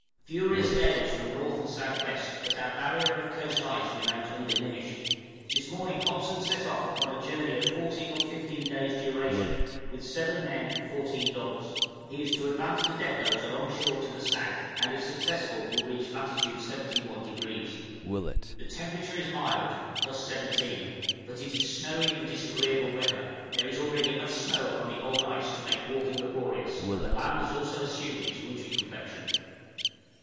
Furious gales from N. and S.W., but our barrier of coast ice remains undiminished. This morning Hobson set off upon a journey of fourteen or fifteen days' duration, with seven men and fourteen dogs; he is to advance the depôts along shore to the south, and if successful will reach latitude 71°. The temperature is mild (+17), but it is snowy and disagreeable weather; there is already enough snow upon the old ice to make walking laborious, and the land has also assumed its wintry complexion.